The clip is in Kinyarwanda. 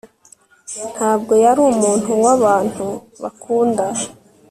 Ntabwo yari umuntu wabantu bakunda